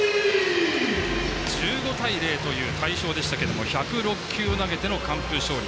１５対０という大勝でしたけども１０６球を投げての完封勝利。